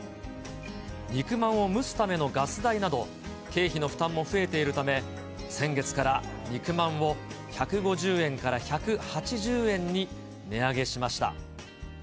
肉まんを蒸すためのガス代など、経費の負担も増えているため、先月から肉まんを１５０円から１８０円に値上げしました。